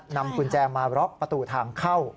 นำกุญแจมาล็อกประตูทางเข้า